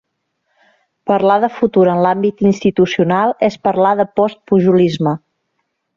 Parlar de futur en l'àmbit institucional és parlar de postpujolisme.